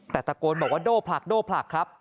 แต่ตะโกนบอกว่าโด่ผลักโด่ผลักครับ